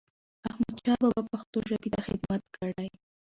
احمدشاه بابا پښتو ژبې ته خدمت کړی.